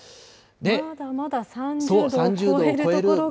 まだまだ３０度を超える所が？